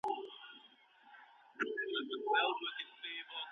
د بریا هدف یوازي د لایقو کسانو په واسطه نه سي ترلاسه کېدلای.